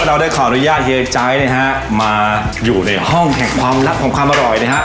เราได้ขออนุญาตเฮียใจนะฮะมาอยู่ในห้องแห่งความลับของความอร่อยนะฮะ